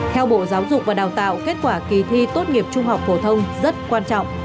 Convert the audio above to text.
theo bộ giáo dục và đào tạo kết quả kỳ thi tốt nghiệp trung học phổ thông rất quan trọng